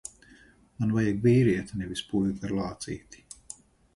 Man vajag vīrieti, nevis puiku ar lācīti.